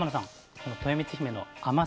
このとよみつひめの甘さ